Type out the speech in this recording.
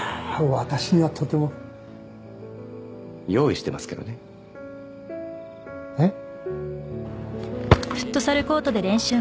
私にはとても用意してますけどねえっ？